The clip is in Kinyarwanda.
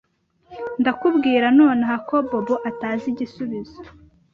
Ndakubwira nonaha ko Bobo atazi igisubizo.